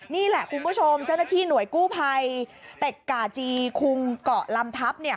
นี่แหละคุณผู้ชมเจ้าหน้าที่หน่วยกู้ภัยเต็กกาจีคุมเกาะลำทัพ